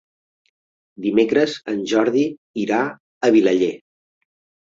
Dimecres en Jordi irà a Vilaller.